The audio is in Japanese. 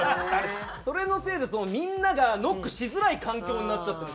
それのせいでみんながノックしづらい環境になっちゃってるんですよ。